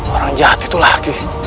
orang jahat itu lagi